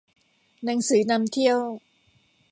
หนังสือนำเที่ยว